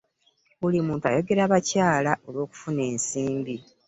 Buli muntu ayogera bakyala olw'okufuna ensimbi.